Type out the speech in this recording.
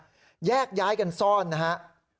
คุณก้อยก็ซ่อนอยู่อีกร้านหนึ่งต่างคนต่างเป็นห่วงกันและโทรหากันครับ